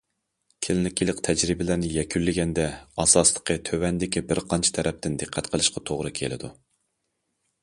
كىلىنىكىلىق تەجرىبىلەرنى يەكۈنلىگەندە، ئاساسلىقى تۆۋەندىكى بىر قانچە تەرەپتىن دىققەت قىلىشقا توغرا كېلىدۇ.